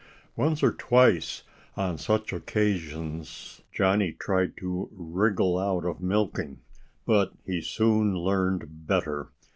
Once or twice, on such occasions, Johnnie tried to wriggle out of milking. But he soon learned better.